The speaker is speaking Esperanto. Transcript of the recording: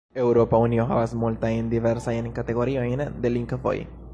Eŭropa Unio havas multajn diversajn kategoriojn de lingvoj.